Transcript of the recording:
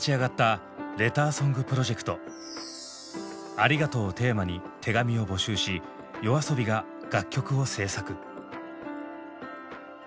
「ありがとう」をテーマに手紙を募集しＹＯＡＳＯＢＩが楽曲を制作。